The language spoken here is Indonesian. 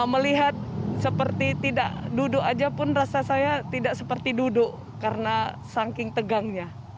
melihat seperti tidak duduk aja pun rasa saya tidak seperti duduk karena saking tegangnya